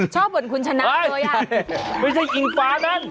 ชอบเหมือนคุณชนะเลยอ่ะไม่ใช่อิงฟ้านั่น